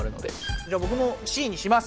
じゃあぼくも「Ｃ」にします。